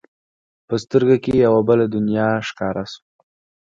په سترګو کې یې یوه بله دنیا ښکاره شوه.